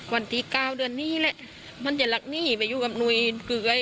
วันที่๙เดือนนี้แหละมันจะหลักหนี้ไปอยู่กับหนุ่ยเกลือย